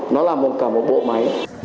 nó là cả một bộ máy